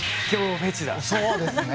そうですね。